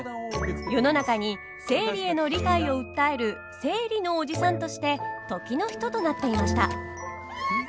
世の中に生理への理解を訴える「生理のおじさん」として時の人となっていました。